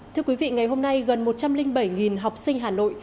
thưa quý vị ngày hôm nay gần một trăm linh bảy học sinh hà nội